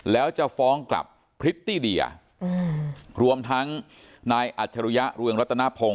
แล้วจะฟ้องกับพฤติเดียรวมทั้งนายอัจฉรุยะรุงรัตนภง